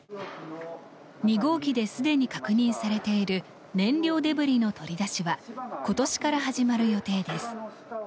２号機ですでに確認されている燃料デブリの取り出しは今年から始まる予定です。